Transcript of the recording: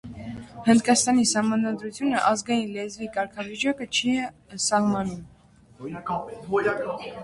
Հնդկաստանի սահմանադրությունը ազգային լեզվի կարգավիճակ չի սահմանում։